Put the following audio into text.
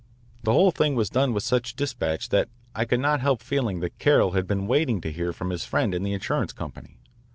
The whole thing was done with such despatch that I could not help feeling that Carroll had been waiting to hear from his friend in the insurance company.